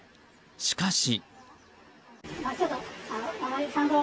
しかし。